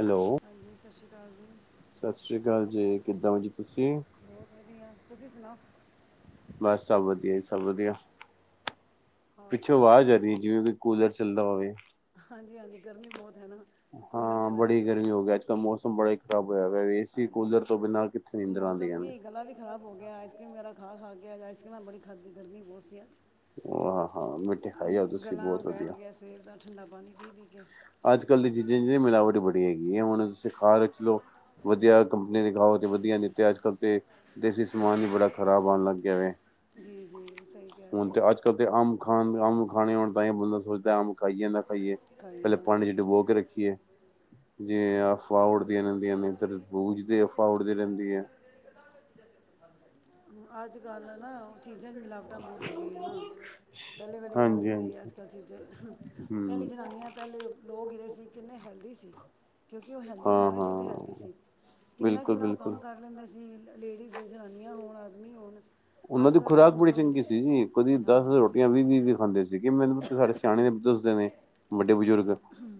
Hello ਸਤਿ ਸ਼੍ਰੀ ਹਾਂਜੀ ਸਤਿ ਸ੍ਰੀ ਅਕਾਲ ਜੀ ਕਿੱਦਾਂ ਹੋ ਜੀ ਤੁਸੀਂ ਤੂਸੀ ਸੂਨਾੳ ਬਸ, ਸਭ ਵਧੀਆ ਹੀ, ਸਭ ਵਧੀਆ ਹਾਂ ਪਿੱਛੋਂ ਆਵਾਜ ਆ ਰਹੀ ਹੈ ਜਿਵੇਂ ਕੂਲਰ ਚੱਲਦਾ ਹੋਵੇ ਹਾਂਜੀ ਹਾਂਜੀ ਗਰਮੀ ਬਹੁਤ ਹੈ ਨਾ ਕੂਲਰ ਚਲਾਇਆ ਦਾ ਅਸੀਂ ਬੜੇ ਖਰਾਬ ਹਾਂਜੀ, ਨੀਂਦਰਾਂ ਮੌਸਮ ਆਉਂਦੀਆਂ ਨੇ। ਕੀ ਗਲਾ ਵੀ ਖ਼ਰਾਬ ਹੋ ਗਿਆ ਆਈਸਕ੍ਰੀਮ ਵਗੈਰਾ ਖਾ ਖਾ ਕੇ ਕਿਹਾਿਆ ਜਾਏ ਇਸ ਮ ਨਾਲ ਬੜ ਖਾਦੀ ਗਰਮੀ ਬਹੁਤ ਸੀ ਆੱਜ ਆਾਂ ਹਾਂ ਮਿੱਠੇ ਖਾਈ ਆਓ ਤੁਸੀਂ ਗਲਾ ਬਹੁਤ ਬੈਠ ਵਧੀਆ ਗਿਆ ਸਵੇਰ ਦਾ ਠੰਡਾ ਪਾਣੀ ਪੀ ਪੀ ਕੇ ਅੱਜ ਕੱਲ ਦੀ ਚੀਜ਼ਾਂ ਚ ਮਿਲਾਵਟ ਬੀ ੀ ਹੈਗੀ ਹੁਣ ਤੁਸੀਂ ਖਾ ਰੱਖ ਲੋ ਵਧੀਆ ਕੰਪਨੀ ਦੇ ਖਾਓ ਤੇ ਵਧੀਆ ਦਿੱਤੇ ਅੱਜ ਕਲ ਤੇ ਦੇਸੀ ਸਮਾਨ ਹੀ ਬੜਾ ਖ਼ਰਾਬ ਆਉਣ ਲੱਗ ਗਿਆ ਵ ਜੀ ਜੀ ਸਹੀ ਕਿਹਾ ਹੁਣ ਤੇ ਅੱਜ ਕੱਲ੍ਹ ਤੇ ਅੰਬ ਖਾਣ ਅੰਬ ਖਾਣੇ ਹੋਣ ਤਾਂ ਹੀ ਬੰਦਾ ਸੋਚਦਾ ਅੰਬ ਖਾਈ ਜਾਂਦਾ ਖਾਈਏ ਖਾਈਏ ਪਹਿਲੇ ਨਾ ਪਾਣੀ ਚ ਖਾਈਏ ਡੁਬੋ ਕੇ ਰੱਖੀਏ ਜੇ ਅਫਵਾ ਉੱਡਦੀਆਂ ਰਹਿੰਦੀਆਂ ਨੇ, ਧਰ ਬੂਝ ਦੀ ਅਫਵਾਹ ਉੱਡਦੀ ਰਹਿੰਦੀ ਹੈ ਅੱਜ ਕੱਲ੍ਹ ਨਾ ਉਹ ਚੀਜ਼ਾਂ ਦੀ ਮਿਲਾਵਟਾਂ ਬਹੁਤ ਹੋ ਗਈਆਂ ਹੈ ਨਾ ਪਹਿਲੇ ਵਾਲੀ ਗੱਲ ਹਾਂਜੀ ਨਹੀਂ ਹੋਈ ਹਾਂਜੀ ਅੱਜ ਕੱਲ੍ਹ ਚੀਜ਼ ਪਹਿਲੀ ਹਮ ਜਨਾਨੀਆਂ ਪਹਿਲੇ ਲੋਕ ਜਿਹੜੇ ਸੀ ਕਿੰਨੇ ਹੈਲਦੀ ਸੀ ਕਿਉਂਕਿ ਉਹ ਹੈਲਦੀ ਹਾਂ ਖਾ ਰਹੇ ਸੀ ਅਤੇ ਹੈਲਦੀ ਹਾਂ ਸੀ ਕਿੰਨਾ ਬਿਲਕੁਲ ਕਿੰਨਾ ਉਹ ਬਿਲਕੁਲ ਕੰਮ ਕਰ ਲੈਂਦੇ ਸੀ ਲੇਡੀਜ਼ ਜਨਾਨੀਆਂ ਹੋ ਆਦਮੀ ਹੋਣ ਉਹਨਾਂ ਹੱਥ ਦੀ ਦਾ ਖੁਰਾਕ ਕੰਮ ਬੜੀ ਚੰਗੀ ਸੀ ਜੀ ਕਦੀ ਹਾਂ ਦਸ ਰੋਟੀਆਂ ਵੀਹ ਵੀਹ ਵੀ ਖਾਂਦੇ ਸੀਗੇ ਮੈਨੂੰ ਸਾਡੇ ਸਿਆਣੇ ਨੇ ਦੱਸਦੇ ਨੇ ਵੱਡੇ ਬਜ਼ੁਰਗ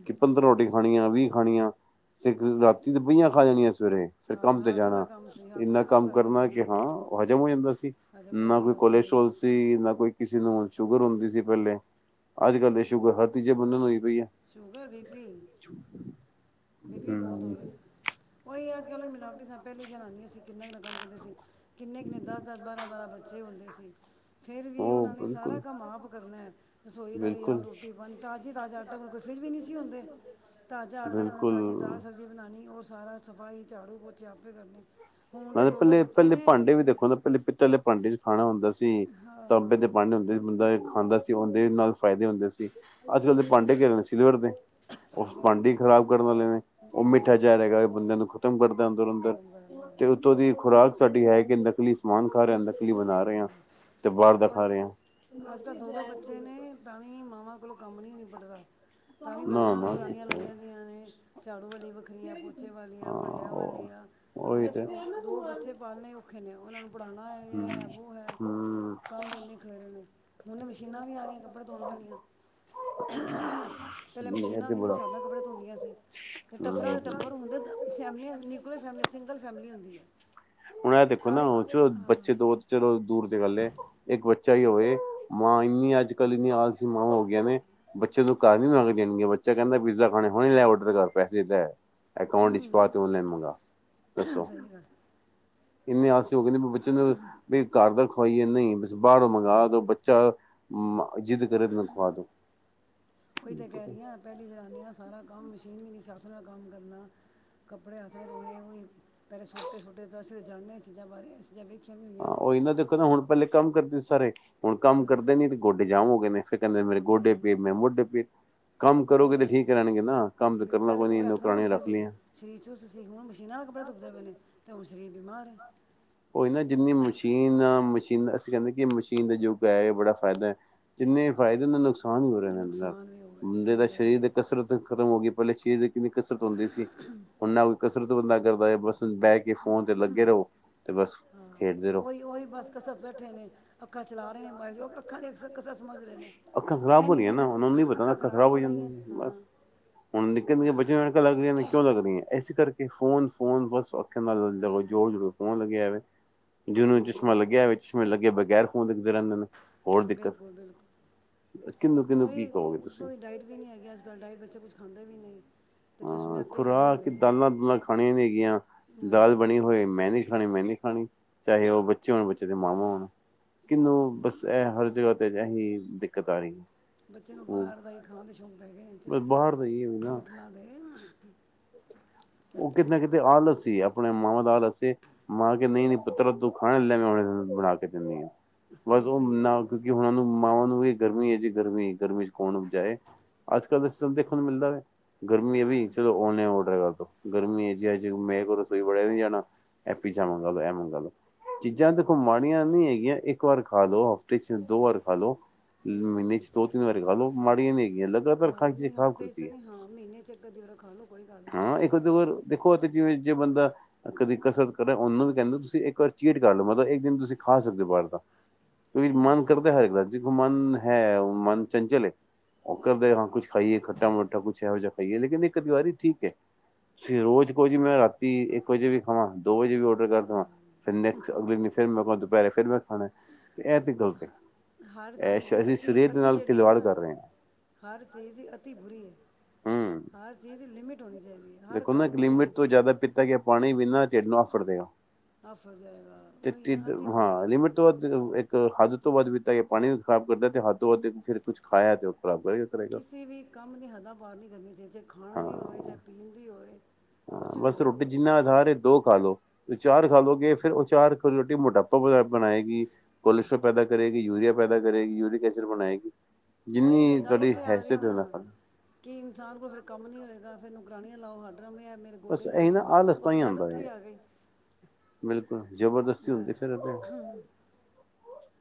ਕਿ ਪੰਦਰਾਂ ਰੋਟੀ ਖਾਣੀ ਆ ਵੀ ਖਾਣੀਆਂ ਫ ਕਿਉਂ ਰਾਤੀ ਤੇ ਬਹੀਆਂ ਖਾ ਜਾਣੀ ਆ ਸਵੇਰੇ ਫੇਿਰ ਕੰਮ ਤੇ ਹਾਂ ਹੱਥ ਦਾ ਜਾਣਾ ਕੰਮ ਸੀ ਹੱਥ ਇੰਨਾ ਦਾ ਕੰਮ ਕਰਦੇ ਕਰਨਾ ਸੀ ਨਾ ਕਿ ਹਾਂ ਹਜ਼ਮ ਹੋ ਜਾਂਦਾ ਸੀ ਹਜਮ ਹੋ ਨਾ ਕੋਈ ਜਾਂਦਾ ਸੀ ਕੋਲੇਸਟ੍ਰੋਲ ਸੀ ਨਾ ਕੋਈ ਕਿਸੇ ਸ਼ੂਗਰ ਹੁੰਦੀ ਸੀ ਪਹਿਲੇ ਅੱਜ ਕੱਲ ਸ਼ੂਗਰ ਹਰ ਤੀਜੇ ਬੰਦੇ ਨੂੰ ਹੋਈ ਪਈ ਸ਼ੂਗਰ ਵੀਕੀ ਬੀਪੀ ਵੀ ਬਹੁਤ ਹਮ ਹੋ ਰਿਹਾ ਉਹੀ ਅੱਜ ਕੱਲ ਮਿਲਾਵਟੀ ਸ ਪਹਿਲੀ ਜਣਾਾਨ ਨਹੀਂ ਅਸੀਂ ਕਿੰਨਾ ਕਿੰਨਾ ਕੰਮ ਕਰਦੇ ਸੀ ਕਿੰਨੇ ਕਿਨੇ ਦਸ ਦਸ ਬਾਰਾਂ ਬਾਰਾਂ ਬੱਚੇ ਹੁੰਦੇ ਸੀ ਫੇਰ ਵੀ ਉਹ ਉਹਨਾਂ ਨੇ ਸਾਰਾ ਬਿਲਕੁਲ ਕੰਮ ਆਪ ਕਰਨਾ ਹੈ ਰਸੋਈ ਦਾ ਵੀ ਬਿਲਕੁਲ ਆਓ ਰੋਟੀ ਪਾਣੀ ਤਾਜ਼ਾ ਤਾਜ਼ਾ ਆਟਾ ਕੋਣ ਕੋਈ ਫਰਿੱਜ਼ ਵੀ ਨਹੀਂ ਸੀ ਹੁਂਦੇ ਤਾਜ਼ਾ ਆਟਾ ਕੋਣ ਬਿਲਕੁਲ ਤਾਜ਼ੀ ਦਾਲ ਸਬਜ਼ੀ ਬਣਾਣੀ ਔਰ ਸਾਰਾ ਸਫ਼ਾਈ ਝਾੜੂ ਪੋਚੇ ਆਪੇ ਕਰਨੇ ਤੇ ਹੁਣ ਦੋ ਦੋ ਪਹਿਲੇ ਬੱਚੇ ਪਹਿਲੇ ਨੇ ਭਾਂਡੇ ਵੀ ਦੇਖੋ ਪਹਿਲੇ ਪਹਿਲੇ ਭਾਂਡੇ ਖਾਣਾ ਹੁੰਦਾ ਸੀ ਤੁਸੀਂ ਤਾਂਬੇ ਹਾਂ ਤੇ ਭਾਂਡੇ ਹੁੰਦੇ ਸੀ ਬੰਦਾ ਖਾਂਦਾ ਸੀ ਉਹਦੇ ਨਾਲ ਫਾਇਦੇ ਹੁੰਦੇ ਸੀ ਅੱਜ ਕੱਲ ਦੇ ਭਾਂਡੇ ਘੇਰੇ ਨੇ ਸਿਲਵਰ ਦੇ ਉਸ ਸਿਲਵਰ ਦੇ ਭਾ‌‌ਡੇਂ ਖ਼ਰਾਬ ਕਰਨ ਵਾਲੇ ਨੇ ਉਹ ਮਿੱਠਾ ਜ਼ਹਿਰ ਬਿਲਕੁਲ ਹੈਗਾ ਬੰਦਿਆਂ ਨੂੰ ਖ਼ਤਮ ਕਰਦਾ ਅੰਦਰ ਅੰਦਰ ਖਤਮ ਕਰ ਰਹੇ ਹਾਂ ਉਹ ਦੀ ਖੁਰਾਕ ਸਾਡੀ ਹੈ ਕਿ ਨਕਲੀ ਸਮਾਨ ਖਾ ਰਹੇ ਹਾਂ, ਨਕਲੀ ਬਣਾ ਰਹੇ ਹਾਂ ਤੇ ਬਾਹਰ ਦਾ ਖਾ ਈ ਰਹੇ ਹਾਂ ਅੱਜ ਕੱਲ੍ਹ ਦੋ ਦੋ ਬੱਚੇ ਨੇ ਤਾਂ ਵੀ ਮਾਵਾਂ ਕੋਲੋਂ ਕੰਮ ਨਹੀਂ ਨਹੀਂ ਨਿਬੜਦਾ ਤਾਂ ਵੀ ਮਾਵਾਂ ਨਾ ਨੇ ਨਾ ਨੁਕਰਾਨੀਆਂ ਕਿੱਥੇ ਲਾਈਆਂ ਗਈਆਂ ਨੇ ਝਾੜੂ ਵਾਲੀ ਵੱਖਰੀ ਆ ਪੋਚੇ ਵਾਲੀ ਆ ਹਾਂ ਭਾਂਡਿਆਂ ਵਾਲੀ ਆ ਉਹ ਉਹੀ ਹੈਂ ਅਤੇ ਤੇ ਉਹ ਦੋ ਬੱਚੇ ਪਾਲੇ ਔਖੇ ਨੇ ਉਹਨਾਂ ਨੂੰ ਪੜ੍ਹਾਉਣਾ ਹੈ ਹਮ ਇਹ ਹੈ ਉਹ ਹੈ ਹਮ ਹੁਨੇ ਮਸ਼ੀਨਾਂ ਵੀ ਆ ਰਹੀਆਂ ਕੱਪੜੇ ਧੋਣ ਵਾਲੀਆਂ ਪਹਿਲੇਾਂ ਇਹ ਮਸ਼ੀਨਾਂ ਤੇ ਵੀ ਨਹੀਂ ਬੜਾ ਸਕਦਾ ਕੱਪੜੇ ਧੋਂਦੀਆਂ ਸੀ ਅਤੇ ਟੱਬਰਾਂ ਹੂੰ ਦੇ ਟੱਬਰ ਹੁੰਦੇ ਫੈਮਲੀਆਂ ਨਿਊਕਲੀਅਰ ਫੈਮਲੀਆਂ ਸਿੰਗਲ ਫੈਮਲੀ ਹੁੰਦੀ ਹੈ ਹੁਣ ਇਹ ਦੇਖੋ ਤਾਂ ਨਾ ਵੀ ਚਲੋ ਹ ਬੱਚੇ ਦੋ ਚਲੋ ਦੂਰ ਤੇ ਗੱਲ ਇੱਕ ਬੱਚਾ ਹੀ ਹੋਵੇ ਮਾਂ ਇੰਨੀ ਅੱਜ ਕੱਲ ਇੰਨੀ ਆਲਸੀ ਮਾਂ ਹੋ ਗਈ ਨੇ ਬੱਚੇ ਨੂੰ ਘਰ ਨੀ ਮੰਗ ਦੇਣਗੀਆਂ ਬੱਚਾ ਕਹਿੰਦਾ ਪੀਜ਼ਾ ਖਾਣੇ ਹ ਨ ਲੈ ਔਡਰ ਕਰ ਪੈਸੇ ਲੈ ਅਕਾਊਂਟ ਵਿੱਚ ਪਾ ਤ ਉਹਨ ਲੈ ਮੰਗਾ ਦੱਸੋ ਸਹੀ ਗੱਲ ਇੰਨੇ ਆਸੇ ਹੋ ਗਏ ਨੇ ਬੱਚੇ ਨੂੰ ਵੀ ਘਰ ਦਾ ਖਵਾਈਏ ਨਹੀਂ ਬਾਹਰੋ ਮ‌ਂਗਾ ਦੋ ਬੱਚੇ ਹਮ [unintelligible] ਉਹੀ ਤਾਂ ਕਹਿ ਰਹੀ ਹ ਪਹਿਲੀ ਜਨਾਨੀਆਂ ਸਾਰਾ ਕੰਮ ਮਸ਼ੀਨ ਵੀ ਨਹੀਂ ਸਨ ਹੱਥੋਂ ਦਾ ਕੰਮ ਕਰਨਾ ਕੱਪੜੇ ਹੱਥ ਨਾਲ ਧੋਣੇ ਹੋਈ ਪਹਿਲੇ ਸੋਟੇ ਸੋਟੇ ਅਸੀ ਜਾਣਦੇ ਹਾਂ ਚੀਜ਼ਾਂ ਬਾਰੇ ਚੀਜ਼ਾਂ ਹਾਂ ਉਹੀ ਨਾ ਦੇਖੋ ਨਾ ਹੁਣ ਪਹਿਲੇ ਕੰਮ ਕਰਦੇ ਸਾਰੇ ਹੁਣ ਕੰਮ ਕਰਦੇ ਨੀ ਗੋਡੇ ਜਾਮ ਹੋ ਗਏ ਨੇ ਫਿਰ ਕਹਿੰਦੇ ਮੇਰੇ ਗੁੱਡੇ ਗੋਡੇ ਪੀ ਜਾਂਦੇ ਮੈਂ ਮੋਢੇ ਪੀ ਕੰਮ ਕਰੋਗੇ ਪਹਿਲੇ ਤੇ ਠੀਕ ਰਣਗੇ ਨਾ ਕੰਮ ਤੇ ਬਿਲ ਕਰਨਾ ਪਹਿਲੇ ਕੋਈ ਕੱਪੜੇ ਨੀਨੂੰ ਹੱਥ ਨਾਲ ਕਰਾਉਣ ਧੋਂਦੇ ਰੱਖ ਸੀ ਲਈਆਂ ਸਰੀਰ ਚੁਸਤ ਝਾਈ ਬਿਮਾਰ ਹੇ ਉਹਈ ਨਾ ਜਿੰਨੀ ਮਸ਼ੀਨ ਮਸ਼ੀਨਾਂ ਅਸੀਂ ਕਹਿੰਦੇ ਕਿ ਮਸ਼ੀਨ ਦਾ ਯੁੱਗ ਹੈ ਬੜਾ ਫਾਇਦਾ ਹੈ ਜਿੰਨੇ ਫਾਇਦੇ ਉਹ ਦਾ ਨੁਕਸਾਨ ਨੁਕਸਾਨ ਹੀ ਹੋ ਇਹ ਰਿਹਾ ਦੇ ਨਾਲ ਨੁਕਸਾਨ ਵੀ ਹੋ ਗਿਆ ਬੰਦੇ ਦਾ ਸਹੀ ਗੱਲ ਹੈ ਸਰੀਰ ਦੇ ਕਸਰਤ ਖਤਮ ਹੋ ਗਈ ਪਹਿਲੇ ਸਰੀਰ ਦੀ ਕਿੰਨੀ ਕਸਰਤ ਹੁੰਦੀ ਸੀ ਓਨਾ ਕੋਈ ਕਸਰਤ ਬੰਦਾ ਕਰਦਾ ਹੈ ਬਸ ਬਹਿ ਕੇ ਫੋਨ ਤੇ ਲੱਗੇ ਰਹੋ ਤੇ ਬਸ ਹਾਂ ਖੇਡਦੇ ਰਹੋ ਉਹੀ ਉਹੀ ਬਸ ਕਸਰਤ ਬੈਠੇ ਨੇ ਅੱਖਾਂ ਚਲਾ ਰਹੇ ਨੇ ਮ ਉਹ ਅੱਖਾਂ ਦੀ ਕਸਰਤ ਸਮਝ ਰਹੇ ਨੇ ਅੱਖਾਂ ਖ਼ਰਾਬ ਹੋ ਹੈਨੀ ਰਹੀਆਂ ਨਾ ਸਮਝ ਉਹਨਾਂ ਨੂੰ ਨਹੀਂ ਪਤਾ ਨਾ ਅੱਖਾਂ ਖ਼ਰਾਬ ਖਰਾਬ ਹੋ ਰਹੀਆਂ ਜਾਂਦੀਆਂ ਬਸ ਹਾਂ ਹੁਣ ਨਿੱਕੇ ਨਿੱਕੇ ਬੱਚੇ ਨੂੰ ਐਨਕਾਂ ਲੱਗ ਰਹੀਆਂ ਨੇ ਕਿਉਂ ਲੱਗ ਰਹੀਆਂ ਇਸੇ ਕਰਕੇ ਫੋਨ ਫੋਨ ਬਸ ਜ ਜੋੜੋ [unintelligible] ਲੱਗਿਆਵੇ ਜਿਨੂੰ ਚਸ਼ਮਾ ਬਿਲਕੁਲ ਲੱਗਿਆ ਹੋ ਚਸ਼ਮੇ ਲੱਗੇ ਬ ਅਰ ਫ਼ੋਨ ਦੇ ਵਿਚ ਬਿਲਕੁਲ ਬਿਲਕੁਲ ਕਿਹਨੂੰ ਕਿਹਨੂੰ ਹੀ ਕੀ ਕਹੋਗੇ ਤੁਸੀਂ ਉਤੋਂ ਦੀ ਡਾਈਟ ਵੀ ਨਹੀਂੀ ਹੈਗੀ ਅਜ ਕੱਲ ਡਾਈਟ ਬੱਚੇ ਕੁਛ ਖਾਂਦੇ ਵੀ ਨਹੀਂ ਤੇ ਚਸ਼ਮੇ ਹਾਂ ਆਪੇ ਹੀ ਲੱਗਣੇ ਖੁਰਾਕ ਕਿ ਹੋਏ ਆ। ਦਾਲਾਂ ਦੁਲਾਂ ਖਾਣੀਆਂ ਨੇਗੀਆਂ ਦਾਲ ਹਾਂ ਬਣੀ ਹੋਏ ਮੈਂ ਨੀ ਖਾਣੀ ਮੈਂ ਨੀ ਖਾਣੀ ਚਾਹੇ ਉਹ ਬੱਚੇ ਹੋਣ ਬੱਚੇ ਦੇ ਮਾਵਾ ਹੋਣ ਕਿਹਨੂੰ ਬਸ ਇਹ ਹਰ ਜਗ੍ਹਾ ਤੇ ਜਾਏਗੀ ਦੇ ਇੱਕ ਤਾਰੀਖ ਬੱਚੇ ਨੂੰ ਬਾਹਰ ਦਾ ਹੀ ਖਾਣ ਦੇ ਸ਼ੌਂਕ ਪੈ ਗਏ ਇ ਬਸ ਚਸਕੇ ਬਾਹਰ ਦਾ ਇਹ ਵੀ ਨਾ ਹੋਟਲਾਂ ਦੇ ਉਹ ਕਿਤੇ ਨਾ ਕਿਤੇ ਆਲਸੀ ਸੀ ਆਪਣੇ ਮਾਵਾਂ ਦਾ ਆਲਸੀ ਮਾਂ ਕੇ ਨਹੀਂ ਨਹੀਂ ਪੁੱਤਰ ਤੂੰ ਖਾਣੇ ਲੈਵੇ ਬਣਾ ਕੇ ਦਿੰਦੀ ਆ ਬਸ ਉਹ ਸਹੀ ਨਾ ਗੱਲ ਆ। ਕਿਉਂਕਿ ਹੁਣ ਉਹ ਨੂੰ ਮਾਵਾਂ ਨੂੰ ਵੀ ਗਰਮੀ ਹੈ ਜੀ ਗਰਮੀ ਗਰਮੀ ਚ ਕੌਣ ਉਪਜਾਏ ਅੱਜ ਕੱਲ ਦਾ ਸਿਸਟਮ ਦੇਖਣ ਨੂੰ ਮਿਲਦਾ ਵ ਗਰਮੀ ਹੈ ਵੀ ਚਲੋ ਨਲਾਨ ਔਡਰ ਕਰ ਦੋ ਗਰਮੀ ਏ ਜਿਹੀ ਮੈਂ ਕੋ ਰਸੋਈ ਵੜਿਆ ਨੀ ਜਾਣਾ ਇਹ ਪੀਜ਼ਾ ਮੰਗਾ ਲੋ ਇਹ ਮੰਗਾ ਲੋ ਚੀਜ਼ਾਂ ਦੇਖੋ ਮਾੜੀਆਂ ਨੀ ਹੈਗੀਆਂ ਇੱਕ ਵਾਰ ਖਾ ਲੋ ਹਫ਼ਤੇ ਚ ਦੋ ਵਾਰ ਖਾ ਲੋ ਮਹੀਨੇ ਚ ਦੋ ਤਿੰਨ ਵਾਰੀ ਖ਼ਾ ਲੋ ਮੜੀਆਂ ਨੀ ਹੈਗੀਆ ਲਗਾਤਾਰ ਖਾਂ ਹਫ਼ਤੇ ਇਸਸ ਨੇ ਹਾਂ ਮਹੀਨੇ ਚਚ ਇੱਕ ਦਿਰਾ ਖਾ ਲਓ ਕੋਈ ਗੱਲ ਹਾਂ ਇੱਕ ਨਹੀਂ ਆਦਿ ਵਾਰ ਦੇਖੋ ਜਿਵੇਂ ਜੇ ਬੰਦਾ ਕਦੀ ਕਸਰਤ ਕਰੇ ਉਹਨੂੰ ਵੀ ਕਹਿੰਦੇ ਤੁਸੀਂ ਇੱਕ ਵਾਰ ਚੀਟ ਕਰ ਲਓ ਮਤਲਬ ਇੱਕ ਦਿਨ ਤੁਸੀਂ ਖਾ ਸਕਦੇ ਹੋ ਬਾਹਰ ਦਾ ਵਿਚ ਮਨ ਕਰਦਾ ਹੈ ਏਕ ਵਾਰ ਵਿ ਦੇਖੋ ਮਨ ਹੈ ਉਹ ਮਨ ਚੰਚਲ ਹੈ ਉਹ ਕਰਦਾ ਹਾਂ ਕੁਛ ਖਾਈਏ ਖੱਟਾ ਮਿੱਠਾ ਕੁਛਾ ਖਾਈਏ ਲੇਕਿਨ ਏਕ ਅਦੀ ਵਾਰੀ ਠੀਕ ਹੈ ਤੁਸੀਂ ਰੋਜ਼ ਕਹੋ ਜੀ ਮੈਂ ਰਾਤੀ ਇੱਕ ਵਜੇ ਵੀ ਖਾਵਾਂ ਦੋ ਵਜੇ ਵੀ ਡਰ ਕਰ ਦੇਵਾਂ ਫ ਨੈਕ ਅਗਲੇ ਦਿ ਫਿਰ ਮੈਂ ਦੁਪਹਿਰੇ ਫਿਰ ਮੈਂ ਖਾਣਾ ਤੇ ਇਹ ਤੇ ਗਲਤ ਹਰ ਇਹ ਚੀਜ਼ ਦੀ ਅਸੀਂ ਅਤੀ ਸਰੀਰ ਦੇ ਅਤੀ ਨਾਲ ਜਿਹੜੀ ਹੈ ਖਿਲਵਾੜ ਨਾ ਕਰ ਰਹੇ ਹਾਂ ਹਰ ਚੀਜ਼ ਦੀ ਅਤੀ ਬੁਰੀ ਹੈ ਹੂੰ ਹਰ ਚੀਜ਼ ਲਿਮਿਟ ਹੋਣੀ ਚਾਹੀਦੀ ਹੈ ਹਰ ਦੇਖੋ ਨਾ ਇੱਕ ਕੰਮ ਦੀ ਲਿਮਿਟ ਤੋਂ ਜ਼ਿਆਦਾ ਕਿਤਾ ਗਿਆ ਪਾਣੀ ਵੀਨਾਂ ਟਿਡ ਆਫੜਦੇ ਆ ਆਫਰ ਜਾਏਗਾ ਹੋ ਨਾ ਅੱਤੀੀ ਬੁਰੀ ਹੈ ਹਾਂ ਲਿਮਿਟ ਤੋਂ ਵੱਧ ਇੱਕ ਹੱਦ ਤੋਂ ਵੱਧ ਪੀਤਾ ਗਿਆ ਪਾਣੀ ਵੀ ਖ਼ਰਾਬ ਕਰਦਾ ਤੇ ਹੱਦ ਤੋਂ ਵੱਧ ਫਿਰ ਕੁਛ ਖਾਇਆ ਤੇ ਖਰਾਬ ਕਰੇਗਾ ਕਰੇਗਾ ਕਿਸੇ ਵੀ ਕੰਮ ਦੀ ਹੱਦਾਾਂ ਪਾਰ ਨਹੀਂ ਕਰਨੀ ਚਾਹੀਦੀ ਚਾਹੇ ਖਾਣ ਹਾਂ ਦੀ ਹੋਵੇ ਚਾਹੇ ਪੀਣ ਦੀ ਹੋਵੇ ਕੁਝ ਹਾਂ ਵੀ ਬਸ ਹੋਵੇ ਰੋਟੀ ਜਿੰਨਾ ਆਧਾਰ ਦੋ ਖਾ ਲੋ ਚਾਰ ਖਾ ਲਓਗੇ ਫਿਰ ਉਹ ਚਾਰ ਰੋਟੀ ਮੋਟਾਪਾ ਬ ਬਣਾਏਗੀ ਕੋਲੇਸਟ੍ਰੋਲ ਪੈਦਾ ਕਰੇਗੀ ਯੂਰੀਆ ਪੈਦਾ ਕਰੇਗੀ ਯੂਰਿਕ ਐਸਿਡ ਬਣਾਏਗੀ ਉਈ ਫੇਰ ਜਿੰਨੀ ਗੱਲ ਤੁਹਾਡੀ ਉੱਥੇ ਆ ਗਈ ਹੈਸੀਅਤ ਹੈ ਨਾ ਖਾਣਾ ਕਿ ਇਨਸਾਨ ਕੋਲ ਫੇਰ ਕੰਮ ਨੀ ਹੋਏਗਾ। ਫਿਰ ਨੋਰਾਣੀਆਂ ਲਾਓ ਹੱਦ ਰੋਮੀ ਯਾਰ, ਮੇਰੇ ਗੋਡੇ ਬਸ ਨੀ ਇਹ ਚੱਲਦੇ ਨਾ ਮੇਰੇ, ਆਲਸ ਉਹ ਤਾਂ ਹੀ ਗੱਲ ਆਉਂਦਾ ਉੱਥੇ ਈ ਹੈ ਆਗਈ। ਬਿਲਕੁਲ ਜ਼ਬਰਦਸਤੀ ਹੁੰਦੀ ਫਿਰ ਇਹਦੇ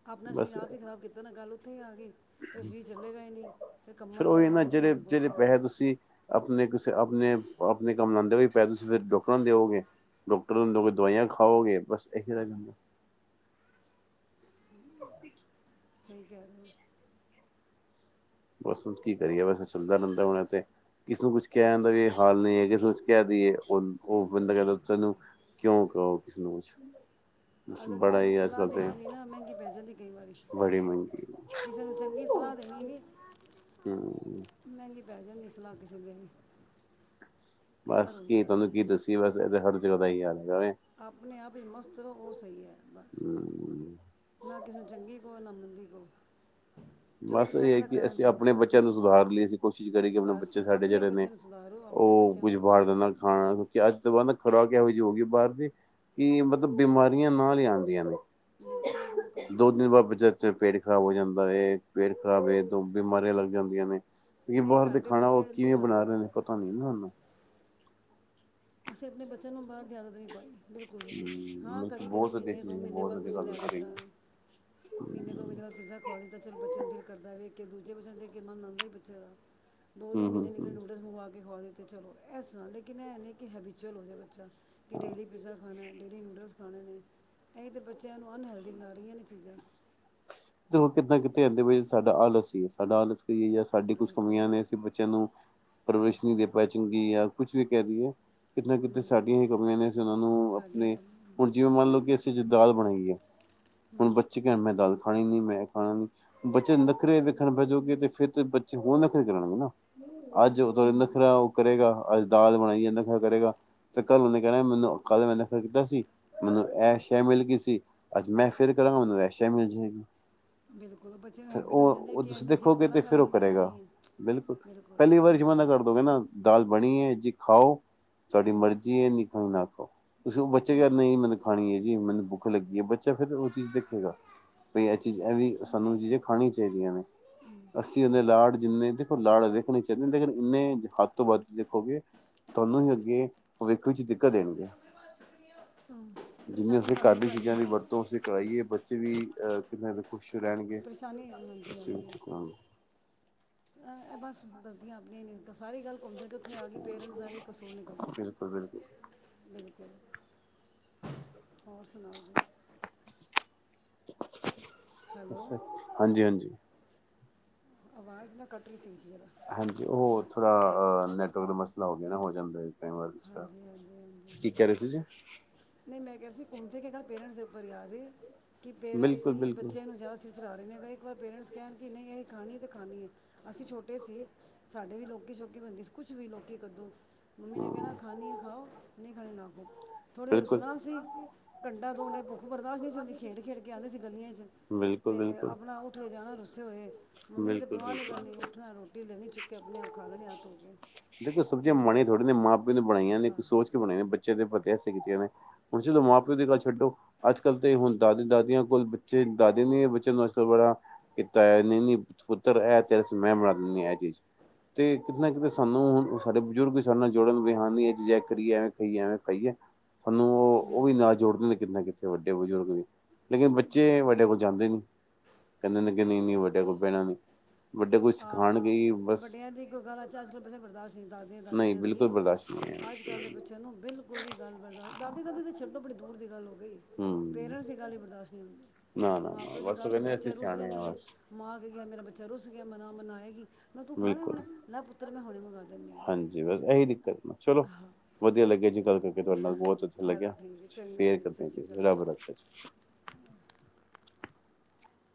ਆਪਨਾ ਸਰੀਰ ਬਸ ਆਪ ਹੀ ਖਰਾਬ ਕੀਤਾ ਨਾ, ਗੱਲ ਉੱਥੇ ਈ ਆਗਈ ਫੇਰ ਸਰੀਰ ਚੱਲੇਗਾ ਈ ਨਈ ਫੇਰ ਕੰਮਾ ਫਿਰ ਆਲਿਯਾਂ ਉਹੀ ਨਾ ਲਵਾਓ ਕਿ ਜਿਹੜੇ ਮੇਰੇ ਗੋਡੇ ਨੀ ਆਪਨੇ-ਆਪਨੇ ਕੰਮ ਲਾਂਦੇ ਵੀ ਪੈ ਤੁਸੀਂ ਫੇਰ ਡਾੱਕਟਰਾਂ ਨੂੰ ਦਿਓਗੇ, ਡਾੱਕਟਰ ਨੂੰ ਦੋਗੇ, ਦਵਾਈਆਂ ਵੀ ਖਾਓਗੇ। ਬਸ ਏਹੀ ਰੈ ਜਾਂਦਾ। [inaudible] ਸਈ ਕੈ ਰੇਓ। ਬਸ ਹੁਨ ਕੀ ਕਰੀਏ, ਬਸ ਐ ਚੱਲਦਾ ਰੈਂਦਾ ਹੁਨ ਐ ਤੇ ਕਿਸੇ ਨੂੰ ਕੁਛ ਕੈਨ ਦਾ ਵੀ ਹਾਲ ਨੀ ਐ, ਕਿਸੇ ਨੂ ਕੁਛ ਕੈ ਦੀਏ। ਹੁਨ ਓ ਬਿਲਕੁਲ ਬੰਦਾ ਕੈਂਦਾ, ਬਿਲਕੁਲ ਤੈਨੂੰ ਕਿਉਂ ਕਓ ਕਿਸੇ ਨੂੰ ਕੁਛ ਅਗਰ, ਕਿਸੇ ਬੜਾ ਨੂੰ ਹੀ ਅੱਜ ਸਲਾ ਕੱਲ ਤੇ ਦੇਨੀ ਵੀ ਨਾ ਮੈਂਗੀ ਪੈ ਜਾਂਦੀ ਕਈ ਵਾਰੀ‌, ਬੜੀ ਮਹਿੰਗੀ ਕਿਸੇ ਨੂੰ ਚੰਗੀ ਸਲਾ ਦੇਨੀ ਵੀ ਹੂੰ। ਮਹਿੰਗੀ ਪੈ ਜਾਂਦੀ ਸਲਾ ਕਿਸੇ ਨੂੰ ਦੇਨੀ ਬਸ ਕੀ ਤੁਵਾਨੂੰ ਕੀ ਦੱਸੀਏ‌‌, ਬਸ ਐਦੇ ਹਰ [unintelligible] ਆਪਨੇ ਆਪ ਵਿੱਚ ਮਸਤ ਰਹੋ ਉ ਸਹੀ ਐ। ਬਸ, ਹਮ ਨਾ ਕਿਸੇ ਨੂੰ ਚੰਗੀ ਕਓ, ਨਾ ਮੰਦੀ ਕਓ। ਬਸ ਏ ਐ ਕਿ ਅਸੀਂ ਆਪਨੇ ਬੱਚਿਆਂ ਨੂੰ ਸੁਧਾਰ ਲਿਏ। ਅਸੀਂ ਕੋਸ਼ਿਸ਼ ਕਰੀਏ ਕਿ ਆਪਨੇ ਬਸ ਬੱਚੇ ਸਾਡੇ ਆਪਣੇ ਜੇੜੇ ਨੇ, ਬੱਚੇ ਨੂੰ ਸੁਧਾਰੋ ਆਪਣੇ ੳ ਬੱਚਿਆਂ ਨੂੰ ਕੁਜ ਬਾਰ ਦਾ ਸਮਝਾਓ ਨਾ ਖਾਨ ਕਿਉਂਕਿ ਅੱਜ ਤੋਂ ਬਾਦ ਨਾ ਖੁਰਾਕ ਏਹੋ ਜਿ ਹੋ ਗਈ ਬਾਰ ਦੀ ਕਿ ਮਤਲਬ ਬਿਮਾਰੀਆਂ ਨਾਲ ਈ ਆਦੀਆਂ ਨੇ। ਬਿਲਕੁਲ ਬਿਲਕੁਲ ਦੋ ਦਿਨ ਬਾਦ [unintelligible] ਖਰਾਬ ਹੋ ਜਾਂਦਾ ਏ ਪੇਟ ਖਰਾਬ ਹੋਏ ਤੋ ਬਿਮਾਰੀਆਂ ਲੱਗ ਜਾਂਦੀਆਂ ਨੇ। ਕਿ ਨਹੀਂ ਬਾਰ ਦੇ ਸਾਡੇ ਖਾਨਾ ਉ ਬੱਚੇ ਨਹੀਂ ਕਿਵੇਂ ਬਨਾ ਖਾਂਦੇ ਰਹੇ ਨੇ, ਪਤਾ ਨੀ ਨਾ ਉਨੂੰ ਅਸੀ ਆਪਨੇ ਬੱਚਿਆਂ ਨੂੰ ਬਾਰ ਕਦੀ ਆਦਤ ਨੀ ਪਾਈ, ਬਿਲਕੁਲ ਵੀ। ਹਮ ਹਾਂ, ਮਤਲਬ ਕਦੀ-ਕਦੀ ਬਹੁਤ ਵਧੀਆ ਮੀਨੇ ਦੋ ਚੀਜ਼ ਹੈ, ਮੀਨੇ ਬਹੁਤ ਬਾਦ ਵਧੀਆ ਕੁਛ ਗੱਲ ਲੈ ਕਰੀ ਦਿੱਤਾ, ਮੀਨੇ ਦੋ ਮੀਨੇ ਹਮ ਬਾਦ ਪੀਜ਼ਾ ਖਵਾ ਦਿੱਤਾ, ਚਲ ਬੱਚਿਆਂ ਨੂੰ ਦਿਲ ਕਰਦਾ ਵੇਖਕੇ ਇੱਕ ਦੂਜੇ ਦੂਜੇ ਬੱਚਿਆਂ ਨੂੰ ਦੇਖਕੇ ਮਨ ਆਂਦਾ ਈ ਬੱਚਿਆਂ ਦਾ ਦੋ-ਤਿੰਨ ਹਮ ਮੀਨੇ ਨਿਕਲੇ ਹਮ ਨੂਡਲਸ ਮੰਗਵਾ ਕੇ ਖਵਾ ਦੀ ਅਤੇ ਚਲੋ ਏਸਰਾਂ ਲੇਕਿਨ ਐ ਨੀ ਕਿ ਹੈਬਿਚੁਅਲ ਹੋ ਜੇ ਬੱਚਾ ਕਿ ਹਾਂ ਡੇਲੀ ਪਿੱਜ਼ਾ ਖਾਨੈ, ਡੇਲੀ ਨੂਡਲਸ ਖਾਨੇ ਨੇ, ਏਹੀ ਤਾਂ [unintelligible] ਬੱਚਿਆਂ ਨੂੰ ਅਨਹੈਲਦੀ ਬਨਾ ਰਈਆਂ ਨੇ ਚੀਜ਼ਾਂ। ਦੇਖੋ ਕਿੱਦੇ ਨਾ ਕਿਤੇ ਐਦੇ ਵੀ ਸਾਡਾ ਆਲਸ ਈ ਏ, ਸਾਡਾ ਆਲਸ ਈ ਏ, ਯਾ ਸਾਡੀ ਕੁਛ ਬਿਲਕੁਲ ਕਮੀਆਂ ਨੇ ਅਸੀ ਬੱਚਿਆਂ ਨੂੰ ਪਰਵਰਿਸ਼ ਨੀ ਦੇ ਪਾਏ ਚੰਗੀ, ਯਾ ਕੁਛ ਵੀ ਕੈ ਦੇਈਏ। ਕਿਤੇ ਨਾ ਕਿਤੇ ਹਮ, ਸਾਡੀਆਂ ਹੀ ਕਮੀਆਂ ਨੇ। ਅਸੀ ਉਹਨਾਂ ਨੂੰ ਸਾਡੇ ਆਪਨੇ ਹੁਨ ਕੰਮ- ਜਿਵੇਂ ਮੰਨ ਲਓ ਕਿ ਅਸੀ ਜੀ ਦਾਲ ਬਨਾਈ ਏ। ਹੁਣ ਬੱਚ [unintelligible] ਮੈਂ ਦਾਲ ਖਾਣੀ ਨੀ ਮੈਂ ਖਾਣਾ ਨਹੀ ਬੱਚੇ ਨਖਰੇ ਵੇਖਣ ਬੈ ਜ਼ੋਗੇ ਤੇ ਫਿਰ ਬੱਚੇ ਹੋਰ ਨਖਰੇ ਕਰਨਗੇ ਨਾ ਅੱਜ ਉਹ ਤ ਨੱਖਰ ਉਹ ਕਰੇਗਾ ਅੱਜ ਦਾਲ ਬਣਾਈ [unintelligible] ਨਖਾ ਕਰੇਗਾ ਤੇ ਘਰੋਂ ਨੇ ਕਹਿਣਾ ਮੈਨੂੰ ਕੱਲ ਮੈਂ ਨਖਾ ਕੀਤਾ ਸੀ ਮੈਨੂੰ ਇਹ ਸ਼ੈ ਮਿਲ ਗਈ ਸੀ [unintelligible] ਅੱਜ ਮੈਂ ਫਿਰ ਕਰਾਂਗਾ ਮੈਨੂੰ ਵੈਸੇ ਹੀ ਮਿਲ ਜਾਏਗੀ ਬਿਲਕੁਲ ਬੱਚੇ ਨੂੰ ਫੇਰ ਹੈਬਿਟ ਹੋ ਉਹ ਜਾਂਦੀ ਹੈ ਉਹ ਕਿ ਅੱਜ ਤੁਸੀਂ ਮੈਂ ਜਿੱਦ ਦੇਖੋਗੇ ਤੇ ਕਰਾਂਗਾ ਫਿਰ ਉਹ ਮਿਲ ਤਾਂ ਜਾਣਾ ਕਰੇਗਾ ਹੀ ਹੈ ਬਿਲਕੁਲ ਪਹਿਲੀ ਵਾਰੀ ਜਮਾ ਨਾ ਕਰਦੋਗੇ ਨਾ ਦਾਲ ਬਣੀ ਹੈ ਜੀ ਖਾਓ ਤੁਹਾਡੀ ਮਰਜ਼ੀ ਹੈ ਨਹੀ ਖਾਣਾ ਨਾ ਖਾਓ ਹ ਤੁਸੀਂ ਉਹ ਬੱਚੇ ਕ ਨਹੀਂ ਮੈਨੂੰ ਖਾਣੀ ਹੈ ਜੀ ਮੈਨੂੰ ਬੁ [unintelligible] ਬੱਚਾ ਫੇਰ ਉਹ ਚੀਜ਼ ਦੇਖੇਗਾ ਵੀ ਇਹ ਚੀਜ਼ ਐ ਵੀ ਸਾਨੂੰ ਇਹ ਨਹੀਂ ਇਸ ਚੀਜ਼ਾਂ ਖਾਣੀ ਚਾਹੀਦੀਆਂ ਨੇ ਅਸੀਂ ਉਹਦੇ ਲਾਡ ਜਿੰਨੇ ਦੇਖੋ ਲਾਡ ਵੇਖਣੀ ਚਾਹੀਦੇ ਲੇਕਿਨ ਇੰਨੇ ਹੱਦ ਤੋਂ ਵੱਧ ਦੇਖੋਗੇ ਤੁਹਾਨੂੰ ਹੀ ਅੱਗੇ ਭਵਿੱਖ ਵਿੱਚ ਦੇਣਗੇ ਹਮ, ਜਿੰਨੇ ਪਰੇਸ਼ਾਨੀ ਅਸੀਂ ਸਾਨੂੰ ਹੀ ਚੀਜ਼ਾਂ ਪੈਣੀ ਦੀ ਹੈ ਵਰਤੋਂ ਅਸੀਂ ਕਰਵਾਈਏ ਬੱਚੇ ਵੀ ਅਹ ਕਿੰਨਾ ਖੁਸ਼ ਰਹਿਣਗੇ ਪਰੇਸ਼ਾਨੀ ਹਾਂਜੀ ਅਸੀਂ ਵੀ ਹਾਂਜੀ ਠੀਕ ਰਹਾਂਗੇ ਇਹ ਬਸ ਗਲਤੀਆਂ ਆਪਣੀਆਂ ਨੇ ਸਾਰੀ ਗੱਲ ਘੁੰਮ [unintelligible] ਦੇ ਕੇ ਉੱਥੇ ਆ ਗਈ ਪੇਰੈਂਟਸ ਦਾਸੀ ਕਸੂਰ ਨਿਕਲਦਾ ਬਿਲਕੁਲ ਬਿਲਕੁਲ ਬਿਲਕੁਲ ਹੋਰ ਸੁਣਾਓ ਜੀ ਹੈਲੋ ਅੱਛਾ ਹਾਂਜੀ ਹਾਂਜੀ ਆਵਾਜ਼ ਨਾ ਕੱਟ ਰਹੀ ਸੀ ਸੀ ਹਾਂਜੀ ਉਹ ਥੋੜਾ ਅ ਨੈਟਵਰਕ ਦਾ ਮਸਲਾ ਹੋ ਗਿਆ ਨਾ ਹੋ ਜਾਂਦਾ ਹੈ ਹਾਂਜੀ ਹਾਂਜੀ ਹਾਂਜੀ ਕੀ ਕਹਿ ਰਹੇ ਸੀ ਜੀ ਨਹੀਂ ਮੈਂ ਕਿਹਾ ਸੀ ਘੁੰਮ ਫਿਰ ਕੇ ਗੱਲ ਪੇਰੈਂਟਸ ਦੇ ਉੱਤੇ ਫਰਿਆ ਦੇ [unintelligible] ਕਿ ਪੇਰੈਂਟਸ ਬਿਲਕੁਲ ਹੀ ਬਿਲਕੁਲ ਬੱਚਿਆਂ ਨੂੰ ਜਾਚ ਵਿਚਲਾਾ ਰਹੇ ਨੇਗਾ [unintelligible] ਇੱਕ ਵਾਰ ਪੇਰੈਂਟਸ ਕਹਿਣ ਕਿ ਨਹੀਂ ਅਸੀਂ ਖਾਣੀ ਅਤੇ ਖਾਨੀ ਅਸੀਂ ਛੋਟੇ ਸੀ ਸਾਡੇ ਵੀ ਲੋਕੀ ਸ਼ੌਕੀ। ਬਣਦੀ ਸੀ ਕੁਛ ਵੀ ਲੋਕੀ ਕੱਦੋਂ ਮੰਮੀ ਨੇ ਕਹਿਣਾ ਹਮ ਖਾਣੀ ਖਾਓ ਨਹੀਂ ਖਾਣੀ ਨਾ ਖਾਓ ਤੇ ਬਿਲਕੁਲ ਰੂਸਨਾ ਅਸੀ ਕ [unintelligible] ਦੋ, ਔਨੇ ਪੂਖ ਬਰਦਾਸ਼ ਨਹੀ ਹੂਦੀ ਸੀ, ਖੇਡ ਖੇਡ ਕੇ ਆਂਦੇ ਸੀ ਗਲੀਆਂ ਵਿੱਚ, ਬਿਲਕੁਲ ਬਿਲਕੁਲ ਤੇ ਆਪੇ ਉਥੇ ਜਾਣਾ ਰੂਸੇ ਹੋਏ, ਮੰਮੀ ਨੇ ਤੇ ਬਿਲਕੁਲ ਪਰਵਾਹ ਨਹੀਂ ਬਿਲਕੁਲ ਕਰਨੀ ਉੱਠਦਾ ਰੋਟੀ ਲੈਣੀ ਚੁੱਕ ਕੇ ਆਪਣੇ ਆਪ ਖਾ ਲੈਣੀ ਹੱਥ ਧੋ ਕੇ ਦੇਖੋ ਸਬਜ਼ੀਆਂ ਤੇ ਮਾੜੀ ਫਿਰ ਥੋੜ੍ਹੀ ਨੇ ਮਾਂ ਪਿਓ ਨੇ ਬਣਾਈਆਂ ਨੇ ਹਾਂ ਸੋਚ ਕੇ ਬਣਾਈ ਨੇ ਬੱਚਿਆਂ ਦੇ ਪਤਾ ਕੀਤੀਆਂ ਨੇ ਹੁਣ ਚਲੋ ਮਾਂ ਪਿਓ ਦੀ ਗੱਲ ਛੱਡੋ ਅੱਜ ਕੱਲ ਤੇ ਹੁਣ ਦਾਦੀ ਦਾਦੀਆਂ ਕੋਲ ਬੱਚੇ ਦਾਦੀ ਨੇ ਬੱਚਿਆਂ ਨੂੰ ਅੱਜਕਲ ਬੜਾ ਕੀਤਾ ਨ ਪੁੱਤਰ ਐ ਤੇ ਮੈਂ ਬਣਾ ਦਿੰਦੀ ਤੇ ਕਿਤੇ ਨਾ ਕਿਤੇ ਸਾਨੂੰ ਹੁਣ ਸਾਡੇ ਬਜ਼ੁਰਗ ਵੀ ਸਾਡੇ ਨਾਲ ਜੁੜਨ ਵਿਹ ਕਰੀਏ ਐਵੇਂ ਖਾਈਏ ਐਵੇਂ ਖਾਈਏ ਸਾਨੂੰ ਉਹ ਉਹ ਬਿਲ- ਵੀ ਨਾਲ ਜੋੜਦੇ ਨੇ ਕਿਤੇ ਨਾ ਕਿਤੇ ਅਤੇ ਵੱਡੇ ਬਜ਼ੁਰਗ ਵੀ ਲੇਕਿਨ ਬੱਚੇ ਵੱਡੇ ਕੋਲ ਜਾਂਦੇ ਨਹੀਂ ਕਹਿੰਦੇ ਨ ਸਹੀ ਨਹੀਂਨੀ ਗੱਲ ਵੱਡੇ ਕੋਈ ਪੈਣਾ ਨ ਵੱਡੇ ਕੋਈ ਆਹੋ ਸਿਖਾਉਣਗੇ ਵੱਡਿਆਂ ਦੀ ਕੋਈ ਗੱਲ ਅੱ ਅੱਜ ਕੱਲ ਬੱਚੇ ਬਰਦਾਸ਼ਤ ਨਹੀਂ ਦਾਦੀਆਂ ਨਹੀਂ ਦਾਦੀਆਂ ਦੀ ਬਿਲਕੁਲ ਬਰਦਾਸ਼ਤ ਨਹੀਂ ਅੱਜ ਕੱਲ੍ਹ ਦੇ ਹੈ। ਬੱਚਿਆਂ ਨੂੰ ਬਿਲਕੁਲ ਵੀ ਗੱਲ ਬਰਦਾਸ਼ਤ ਦਾਦੀ ਦਾਦੀ ਤਾਂ ਛੱਡੋ ਬੜੀ ਦੂਰ ਦੀ ਗੱਲ ਹੋ ਗਈ ਹੂੰ ਪੇਰੈਂਟਸ ਦੀ ਗੱਲ ਬਰਦਾਸ਼ਤ ਨਹੀਂ ਹੁੰਦੀ ਨਾ-ਨਾ-ਨਾ ਮਾਂ ਪਿਓ ਦੀ ਬਸ ਉਹ ਗੱਲ ਕਹਿੰਦੇ ਅਸੀਂ ਬੱਚੇ ਰਸ ਰੁਸ ਸਿਆਣੇ ਆ ਜਾਂਦੇ ਨੇ ਬਸ। ਮਾਂ ਕੇ ਗਿਆ ਮਰਾ ਬੱਚਾ ਰੁਸੱਸ ਗਿਆ। ਮਨਾ ਮਨਾਇਆਗੀ। ਮੈਂ ਤੂੰ ਖਾਣੇ ਬਿਲਕੁਲ ਹੁਣੇ ਲੈਂ ਪੁੱਤਰ ਮੈਂ ਹੁਣੇ ਮੰਗਵਾ ਦਿੰਦੀ ਹ। ਹਾਂਜੀ ਬਸ ਇਹੀ ਦਿੱਕਤ ਚਲੋ ਵਧੀਆ ਲੱਗਿਆ ਜੀ ਗੱਲ ਕਰਕੇ ਤੁਹਾਡੇ ਨਾਲ ਬਹੁਤ ਵਧੀਆ ਚਲੋ ਲੱਗਿਆ ਠੀਕ ਹੈ ਚੰਗਾ ਫੇਅਰ ਸਤਿ ਕਰਦੇ ਸ਼੍ਰੀ ਜੀ ਅਕਾਲ ਰੱਬ ਰੱਖ।